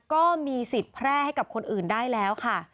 ก็มีสิทธิ์แพร่ให้กับคนอื่นได้แล้วค่ะ